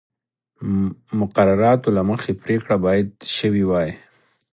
مقرراتو له مخې پرېکړه باید شوې وای